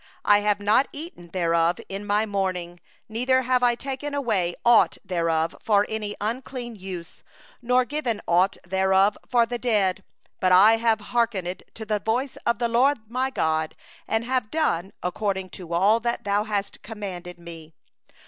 14I have not eaten thereof in my mourning, neither have I put away thereof, being unclean, nor given thereof for the dead; I have hearkened to the voice of the LORD my God, I have done according to all that Thou hast commanded me.